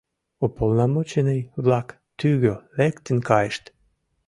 Уполномоченный-влак тӱгӧ лектын кайышт.